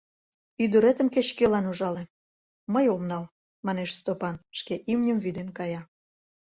— Ӱдыретым кеч-кӧлан ужале — мый ом нал, — манеш Стопан, шке имньым вӱден кая.